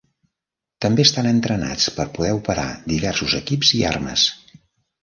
També estan entrenats per poder operar diversos equips i armes.